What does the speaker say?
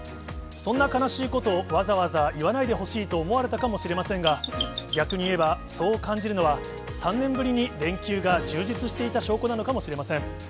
そんな悲しいことをわざわざ言わないでほしいと思われたかもしれませんが、逆に言えば、そう感じるのは、３年ぶりに連休が充実していた証拠なのかもしれません。